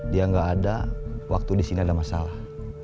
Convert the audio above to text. dia nggak ada waktu di sini ada masalah